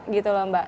gitu lho mbak